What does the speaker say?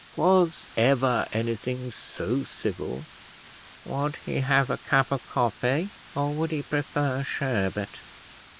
Was ever anything so civil? Would he have a cup of coffee, or would he prefer sherbet?